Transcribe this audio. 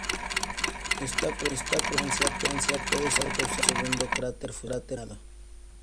Esta protuberancia puede ser causada por un segundo cráter fusionado.